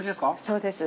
そうです。